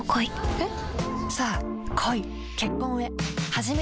えっ⁉